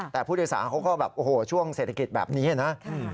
แต่ผู้โดยสารเขาก็แบบโอ้โหช่วงเศรษฐกิจแบบนี้นะ